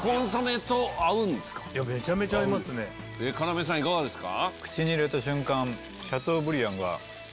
要さんいかがですか？